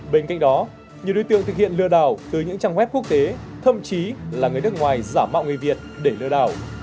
bên cạnh đó nhiều đối tượng thực hiện lừa đảo từ những trang web quốc tế thậm chí là người nước ngoài giả mạo người việt để lừa đảo